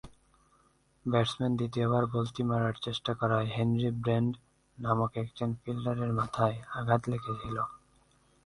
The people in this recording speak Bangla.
ব্যাটসম্যান দ্বিতীয়বার বলটি মারার চেষ্টা করায় হেনরি ব্র্যান্ড নামক একজন ফিল্ডারের মাথায় আঘাত লেগেছিল।